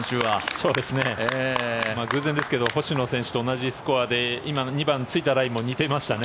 そうですね、偶然ですけど星野選手と同じスコアで今の２番、突いたラインも似ていましたね。